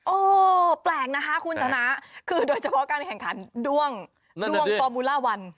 แปลกนะคะคุณชนะคือโดยเฉพาะการแข่งขันด้วงฟอร์มูล่าวัน